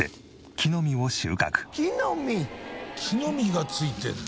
木の実がついてるの？